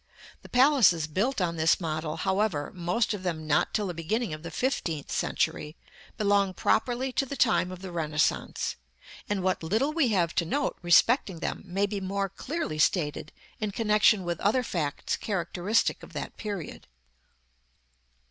The palaces built on this model, however, most of them not till the beginning of the fifteenth century, belong properly to the time of the Renaissance; and what little we have to note respecting them may be more clearly stated in connexion with other facts characteristic of that period.